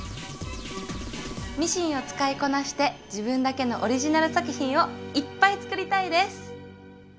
ミシンを使いこなして自分だけのオリジナル作品をいっぱい作りたいです！